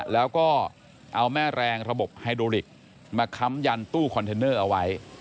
แล้วก็เอาแม่แรงระบบไฮโดริกมาค้ำยันตู้คอนเทนเนอร์เอาไว้